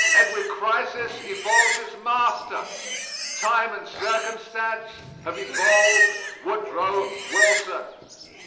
Every crisis evolves its master. Time and circumstance have evolved Woodrow Wilson.